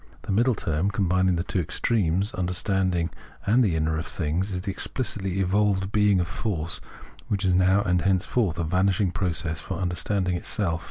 The middle term combining the two extremes, understanding and the inner of things, is the explicitly evolved being of force, which is now and henceforth a vanishing process for understanding itself.